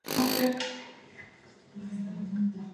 Kopš kuriem laikiem viņi sākuši dāvināt gaļu pulksteņa vietā?